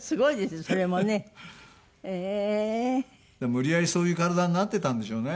無理やりそういう体になってたんでしょうね。